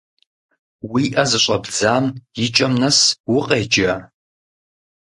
Уи ӏэ зыщӏэбдзам и кӏэм нэс укъеджа?